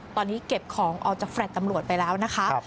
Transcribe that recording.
ตอนนี้เก็บของออกจากแฟลต์ตำรวจไปแล้วนะคะ